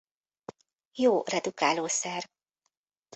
Jó redukálószer.